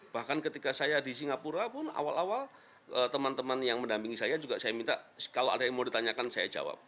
bahkan ketika saya di singapura pun awal awal teman teman yang mendampingi saya juga saya minta kalau ada yang mau ditanyakan saya jawab